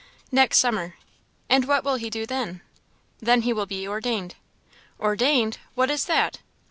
"Next summer." "And what will he do then?" "Then he will be ordained." "Ordained! what is that?"